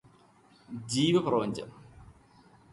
ജീവപ്രപഞ്ചം